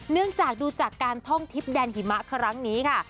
เนื่องจากดูจากการท่องทิพย์แดนหิมะครั้งนี้ค่ะ